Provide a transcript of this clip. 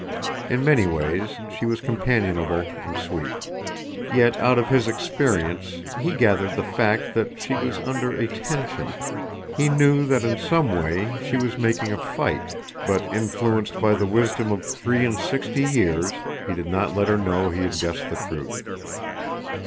In many ways she was companionable and sweet. Yet out of his experience, he gathered the fact that she was under a tension. He knew that in some way she was making a fight, but, influenced by the wisdom of three and sixty years, he did not let her know he had guessed the truth.